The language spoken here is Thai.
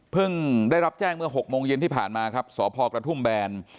ได้รับแจ้งเมื่อ๖โมงเย็นที่ผ่านมาครับสพกระทุ่มแบน